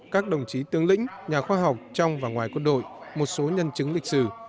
các đồng chí tướng lĩnh nhà khoa học trong và ngoài quân đội một số nhân chứng lịch sử